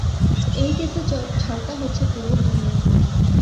এই কেসে, ঝড়টা হচ্ছে পুরো দুনিয়াজুড়ে!